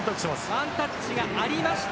ワンタッチがありました。